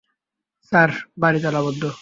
Sir, বাড়ি তালাবদ্ধ।